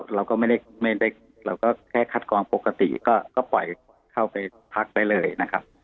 เราก็แค่คัดกรองปกติก็ปล่อยเข้าไปพักไปเลยนะครับ